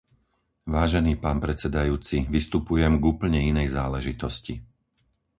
Vážený pán predsedajúci, vystupujem k úplne inej záležitosti.